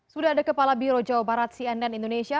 sudah ada kepala biro jawa barat cnn indonesia